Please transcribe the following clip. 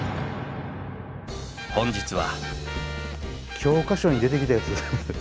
本日は。